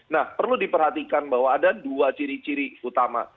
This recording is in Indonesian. nah perlu diperhatikan bahwa ada dua ciri ciri utama